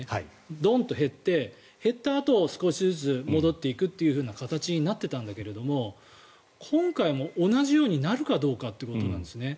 どんと減って、減ったあと少しずつ戻っていくという形になっていたんだけれども今回も同じようになるかどうかということなんです。